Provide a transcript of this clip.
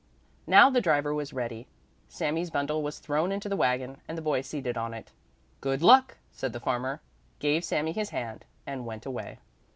Now the driver was ready. Sami's bundle was thrown into the wagon and the boy seated on it. "Good luck!" said the farmer, gave Sami his hand and went away.